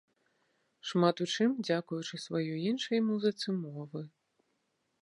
Шмат у чым дзякуючы сваёй іншай музыцы мовы.